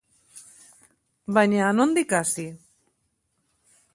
Baina, nondik hasi?